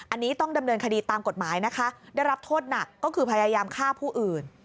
อันนี้ต้องดำเนินคดีตามกฎหมายนะคะได้รับโทษหนักก็คือพยายามฆ่าผู้อื่น